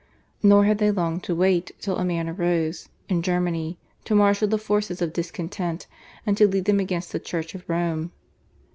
Nor had they long to wait till a man arose, in Germany, to marshal the forces of discontent and to lead them against the Church of Rome.